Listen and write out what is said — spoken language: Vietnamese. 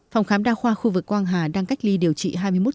phòng khám đa khoa khu vực quang hà đang cách ly điều trị hai mươi một